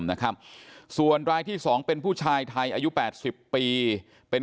นะครับส่วนรายที่๒เป็นผู้ชายไทยอายุ๘๐ปีเป็น